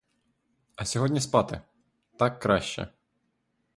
А сьогодні спати — так краще!